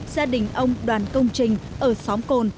gia đình ông đoàn công trình ở xóm côn